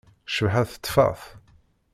Ccbaḥa tettfat.